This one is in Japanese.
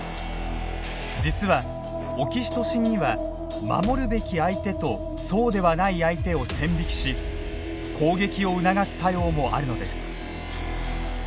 実はオキシトシンには守るべき相手とそうではない相手を線引きし攻撃を促す作用もあるのです。